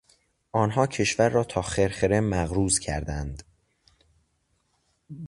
آنها کشور را تا خرخره مقروض کردند.